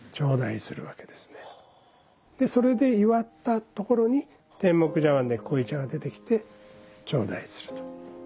でそれで祝ったところに天目茶碗で濃茶が出てきて頂戴すると。